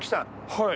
はい。